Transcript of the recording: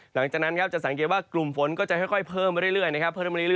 หลังจากนั้นครับจะสังเกตว่ากลุ่มฝนก็จะค่อยเพิ่มไปเรื่อยนะครับ